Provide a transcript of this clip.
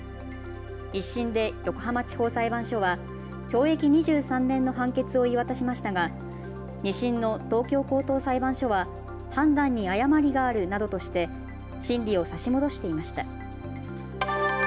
１審で横浜地方裁判所は懲役２３年の判決を言い渡しましたが２審の東京高等裁判所は判断に誤りがあるなどとして審理を差し戻していました。